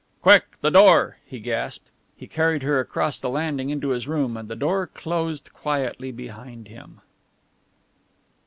"Quick, the door!" he gasped. He carried her across the landing into his room, and the door closed quietly behind him.